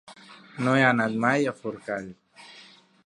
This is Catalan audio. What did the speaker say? No he anat mai a Forcall.